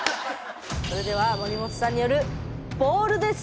それでは森本さんによる「ボール」です！